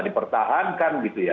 dipertahankan gitu ya